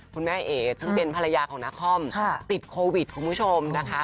แม่เอ๋ซึ่งเป็นภรรยาของนาคอมติดโควิดคุณผู้ชมนะคะ